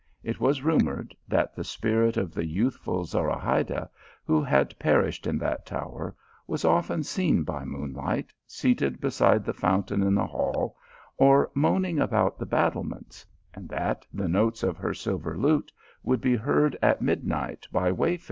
It was rumoured that the spirit of the youthful Zora hayda, who had perished in that tower, was often seen by moonlight seated beside the fountain in the hall, or moaning about the battlements, and that the notes of her silver lute would be heard at midnight by \v;i\f.